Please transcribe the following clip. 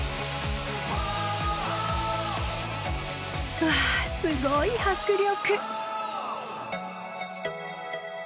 うわすごい迫力！